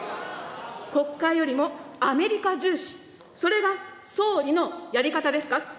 国会よりもアメリカ重視、それが総理のやり方ですか。